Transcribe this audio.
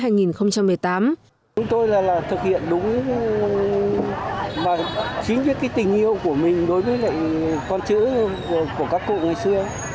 chúng tôi là thực hiện đúng chính với tình yêu của mình đối với con chữ của các cô người xưa